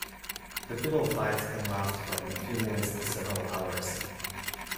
The pillow fights can last from a few minutes to several hours.